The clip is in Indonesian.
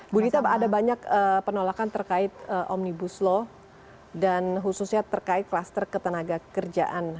bu dita ada banyak penolakan terkait omnibus law dan khususnya terkait kluster ketenaga kerjaan